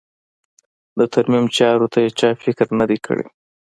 د ترمیم چارو ته یې چا فکر نه دی کړی.